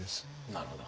なるほど。